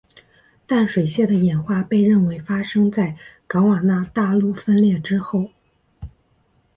淡水蟹的演化被认为发生在冈瓦纳大陆分裂之后。